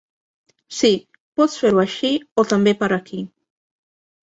Sí, pots fer-ho així o també per aquí.